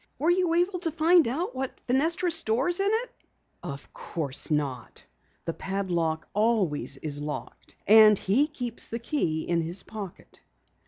"Were you able to find out what Fenestra stores in it?" "Of course not. The padlock always is locked, and he keeps the key in his pocket."